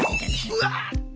うわっ！